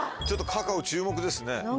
ちょっとカカオ注目ですね。